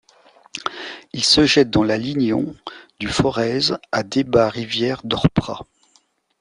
Il se jette dans la Lignon du Forez à Débats-Rivière-d'Orpra.